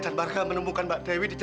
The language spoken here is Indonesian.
nggak ada dewi